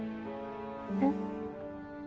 えっ？